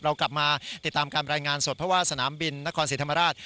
เรากลับมาติดตามการรายงานสดเพราะว่าสนามบินนครศรีธรรมราช